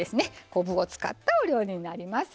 昆布を使ったお料理になります。